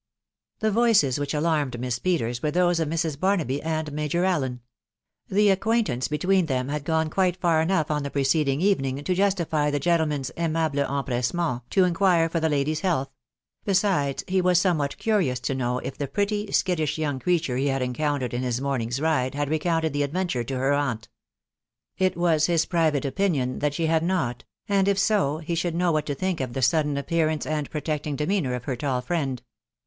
Thk voices which alarmed Miss Peters were those of Mrs. Barnaby and Major Allen. The acquaintance between them had gone quite far enough on the preceding evening to justify the gentleman's aimable empressement to inquire for the lady's health; besides, he was somewhat curious to know if the pretty, skittish young creature he had encountered in his morning's ride had recounted the adventure to her aunt It was his private opinion that she had not ; and if so, he should know what to think of the sudden appearance and protecting demeanour of her tall friend.